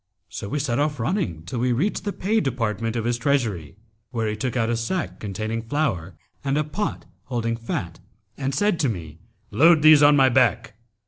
So we set off running till we reached the pay department of his treasury, where he took out a sack containing flour and a pot holding fat and said to me, 'Load these on my back!'